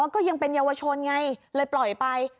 ก็ยังเป็นเยาวชนไงเลยปล่อยไป